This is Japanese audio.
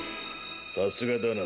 さすがだな冴羽。